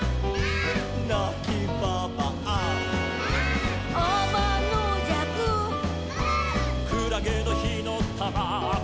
「なきばばあ」「」「あまのじゃく」「」「くらげのひのたま」「」